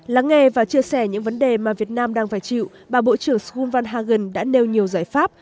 lắng nghe và chia sẻ những vấn đề mà việt nam đang phải chịu bà bộ trưởng skun van hagen đã nêu nhiều giải pháp